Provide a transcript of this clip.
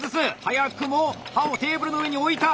早くも刃をテーブルの上に置いた！